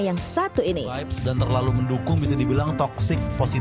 yang satu ini